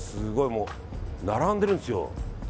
もう並んでるんですよ。